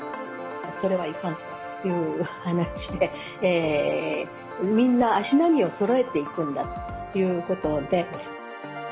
それはいかんという話で、みんな足並みをそろえていくんだということで。